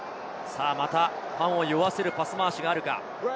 またファンを酔わせるパス回しがあるか。